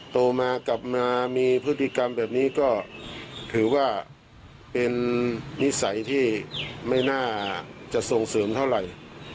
โตมากลับมามีพฤติกรรมแบบนี้ก็ถือว่าเป็นนิสัยที่ไม่น่าจะส่งเสริมเท่าไหร่